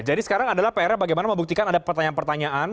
jadi sekarang adalah pr nya bagaimana membuktikan ada pertanyaan pertanyaan